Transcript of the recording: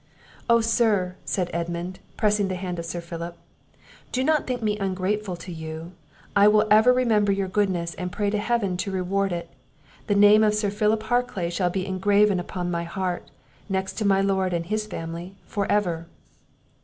"Oh, sir," said Edmund, pressing the hand of Sir Philip, "do not think me ungrateful to you; I will ever remember your goodness, and pray to Heaven to reward it: the name of Sir Philip Harclay shall be engraven upon my heart, next to my Lord and his family, for ever."